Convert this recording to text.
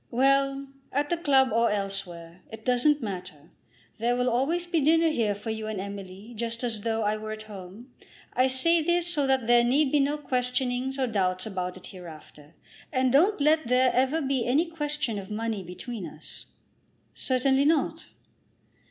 "Well; at the club or elsewhere. It doesn't matter. There will always be dinner here for you and Emily, just as though I were at home. I say this, so that there need be no questionings or doubts about it hereafter. And don't let there ever be any question of money between us." "Certainly not."